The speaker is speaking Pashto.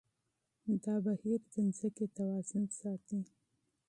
دا بهير د ځمکې توازن ساتي.